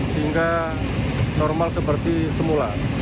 sehingga normal seperti semula